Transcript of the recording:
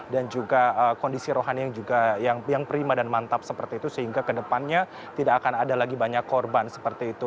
dan juga kondisi rohani yang prima dan mantap seperti itu sehingga kedepannya tidak akan ada lagi banyak korban seperti itu